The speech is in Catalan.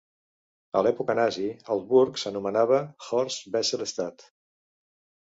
A l'època nazi, el burg s'anomenava "Horst-Wessel-Stadt".